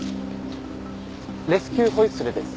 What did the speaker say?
レスキューホイッスルです。